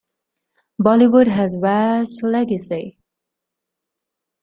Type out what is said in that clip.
Bollywood has vast legacy.